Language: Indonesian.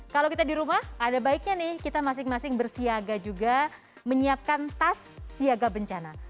kalau kita di rumah ada baiknya nih kita masing masing bersiaga juga menyiapkan tas siaga bencana